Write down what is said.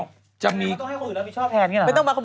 นี่เราไม่ต้องให้คนอื่นระมีชอบแผน